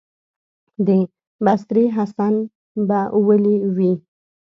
د بصرې حسن به ولي وي،